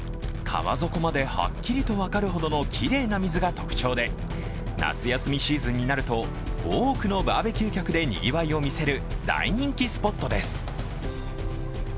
川底まではっきりと分かるほどのきれいな水が特徴で夏休みシーズンになると多くのバーベキュー客でにぎわいを見せる大人気スポットです。